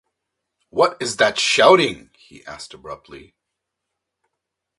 “What is that shouting?” he asked abruptly.